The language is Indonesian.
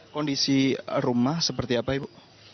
kondisi rumah seperti apa ibu